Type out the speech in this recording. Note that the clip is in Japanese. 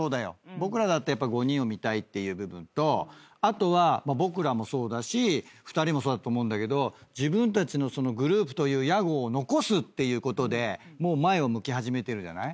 僕らだって５人を見たいっていう部分とあとは僕らもそうだし２人もそうだと思うんだけど自分たちのグループという屋号を残すっていうことでもう前を向き始めてるじゃない。